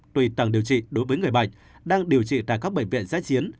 tùy tầng điều trị đối với người bệnh đang điều trị tại các bệnh viện giái chiến